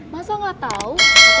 masa gak tau